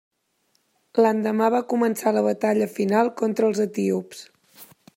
L'endemà va començar la batalla final contra els etíops.